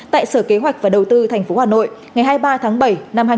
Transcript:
tại sở kế hoạch và đầu tư tp hà nội ngày hai mươi ba tháng bảy năm hai nghìn hai mươi